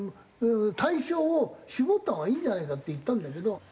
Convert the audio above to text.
対象を絞ったほうがいいんじゃないかって言ったんだけど。